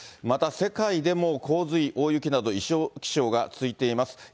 また、世界でも洪水、大雪など、異常気象が続いています。